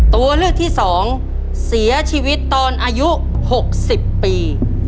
ตัวเลือกที่๒เสียชีวิตตอนอายุ๖๐ปี